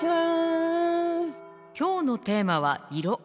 今日のテーマは「色」。